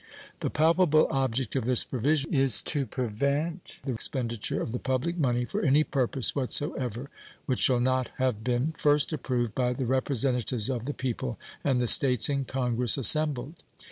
The palpable object of this provision is to prevent the expenditure of the public money for any purpose what so ever which shall not have been 1st approved by the representatives of the people and the States in Congress assembled.